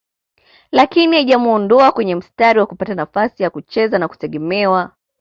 lakini haijamuondoa kwenye mstari wa kupata nafasi ya kucheza na kutegemewa